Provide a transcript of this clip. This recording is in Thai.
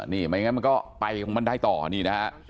นี่ไม่งั้นมันก็ไปของมันได้ต่อนี่นะฮะ